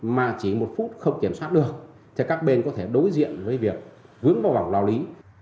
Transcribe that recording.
mà chỉ một phút không kiểm soát được thì các bên có thể đối diện với việc vướng vào vòng lao lý